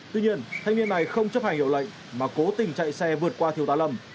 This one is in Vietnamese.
tuy nhiên thanh niên này không chấp hành hiệu lệnh mà cố tình chạy xe vượt qua thiếu tá lâm